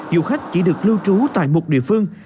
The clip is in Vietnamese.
du khách chỉ được lưu trú tại một địa phương